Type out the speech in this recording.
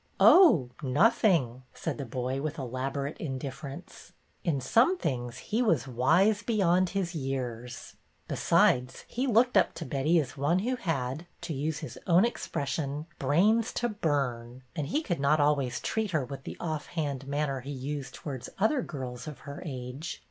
" Oh, nothing," said the boy, with elaborate indifference. In some things he was wise beyond his years. Besides, he looked up to Betty as one who had, to use his own expression, " brains to burn," and he could not always treat her with the off hand manner he used towards other girls of her age.